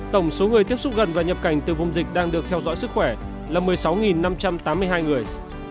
tổng số người tiếp xúc gần và nhập cảnh từ vùng dịch đang được theo dõi sức khỏe là một mươi sáu năm trăm tám mươi hai người